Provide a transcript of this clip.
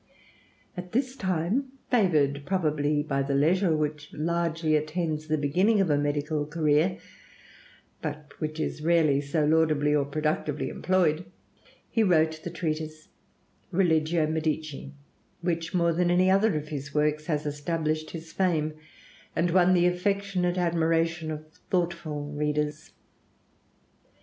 At this time favored probably by the leisure which largely attends the beginning of a medical career, but which is rarely so laudably or productively employed, he wrote the treatise 'Religio Medici,' which more than any other of his works has established his fame and won the affectionate admiration of thoughtful readers.